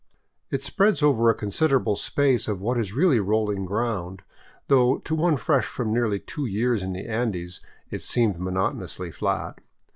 It spreads over a considerable space of what is really rolling ground — though to one fresh from nearly two years in the Andes it seemed monotonously flat.